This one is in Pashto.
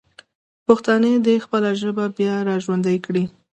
پښتانه دې خپله ژبه بیا راژوندی کړي.